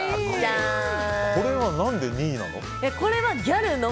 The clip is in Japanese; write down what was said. これは何で２位なの？